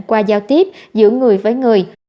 qua giao tiếp giữa người với người